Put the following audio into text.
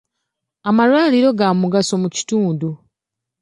Amalwaliro ga mugaso mu kitundu.